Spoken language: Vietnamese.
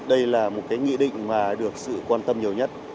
đây là một cái nghị định mà được sự quan tâm nhiều nhất